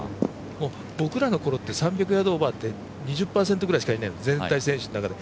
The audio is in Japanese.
僕らのころって３００ヤードオーバーって２０％ぐらいしかいない全体選手の中で。